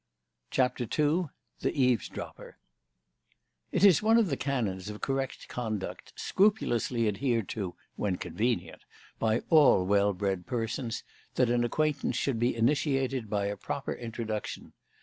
CHAPTER II THE EAVESDROPPER It is one of the canons of correct conduct, scrupulously adhered to (when convenient) by all well bred persons, that an acquaintance should be initiated by a proper introduction.